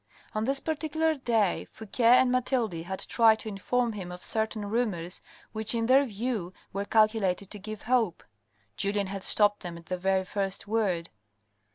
On this particular day, Fouque and Mathilde had tried to inform him of certain rumours which in their view were calculated to give hope. Julien had stopped them at the very first word.